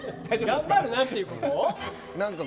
頑張るなってこと？